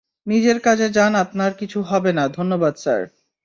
নিজের কাজে যান আপনার কিছু হবে না ধন্যবাদ স্যার।